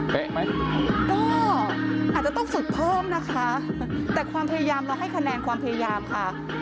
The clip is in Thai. ไหมก็อาจจะต้องฝึกเพิ่มนะคะแต่ความพยายามเราให้คะแนนความพยายามค่ะ